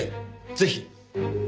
ぜひ。